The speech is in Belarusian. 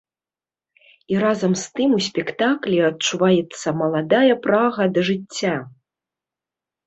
І разам з тым у спектаклі адчуваецца маладая прага да жыцця.